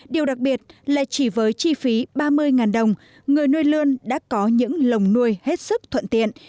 điều đặc biệt là chỉ với chi phí ba mươi đồng người nuôi lươn đã có những lồng nuôi hết sức thuận tiện